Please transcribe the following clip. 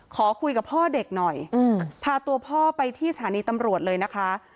ขอคุยกับพ่อเด็กหน่อยพาตัวพ่อไปที่สถานีตำรวจเลยนะคะ